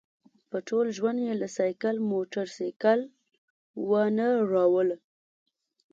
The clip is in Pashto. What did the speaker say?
په ټول ژوند یې له سایکل موټرسایکل وانه ړوله.